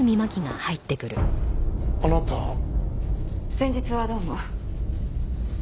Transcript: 先日はどうも。